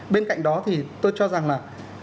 bên cạnh đó thì tôi cho rằng là